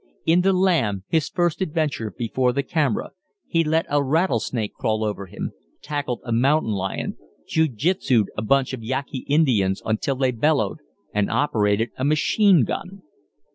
In "The Lamb," his first adventure before the camera, he let a rattlesnake crawl over him, tackled a mountain lion, jiu jitsued a bunch of Yaqui Indians until they bellowed, and operated a machine gun.